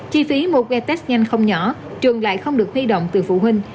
chi phí mua que test nhanh không nhỏ trường lại không được huy động từ phụ huynh